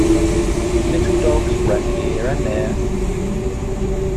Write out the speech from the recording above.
Little dogs ran here and there.